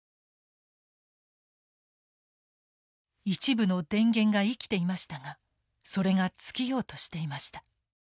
一部の電源が生きていましたがそれが尽きようとしていました。